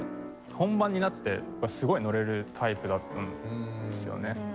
本番になってすごいのれるタイプだったんですよね。